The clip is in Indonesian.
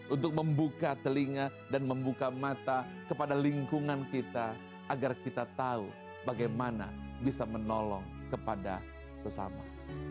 untuk membuka telinga dan membuka mata kepada lingkungan kita agar kita tahu bagaimana bisa menolong kepada sesama